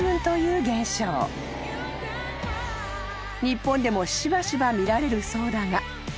［日本でもしばしば見られるそうだが］